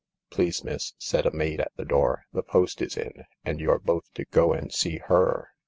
" Please, miss," said a maid at the door, "the post is in, and you're both to go and see Her.